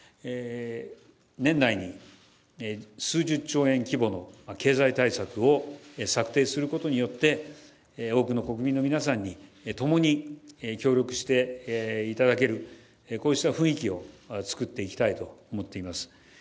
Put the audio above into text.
年内に数十兆円規模の経済対策を策定することによって多くの国民の皆さんにともに協力していただけるこうした雰囲気を作っていきたいと思っています。